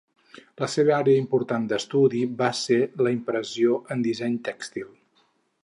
La seva àrea important d'estudi va ser la impressió en disseny tèxtil.